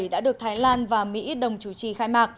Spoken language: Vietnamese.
đã được thái lan và mỹ đánh giá